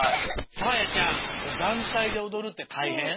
さあやちゃんだんたいでおどるってたいへん？